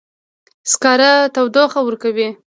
سکاره تودوخه ورکوي